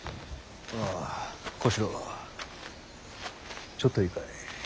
小四郎ちょっといいかい。